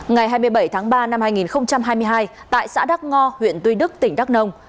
ngày hai mươi bảy tháng ba năm hai nghìn hai mươi hai tại xã đắk ngo huyện tuy đức tỉnh đắk nông